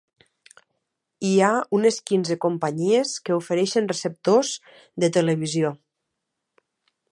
Hi ha unes quinze companyies que ofereixen receptors de televisió.